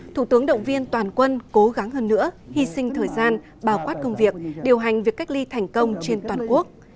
thủ tướng động viên toàn quân cố gắng hơn nữa hy sinh thời gian bào quát công việc điều hành việc cách ly thành công trên toàn quốc